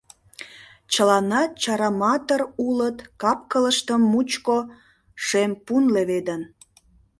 Чыланат чараматыр улыт, кап-кылыштым мучко шем пун леведын.